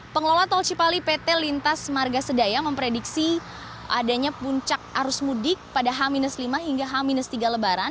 pengelola tol cipali pt lintas marga sedaya memprediksi adanya puncak arus mudik pada h lima hingga h tiga lebaran